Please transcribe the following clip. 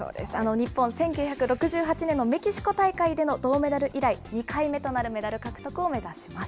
日本、１９６８年のメキシコ大会での銅メダル以来、２回目となるメダル獲得を目指します。